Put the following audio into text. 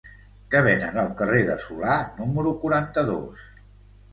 Què venen al carrer de Solà número quaranta-dos?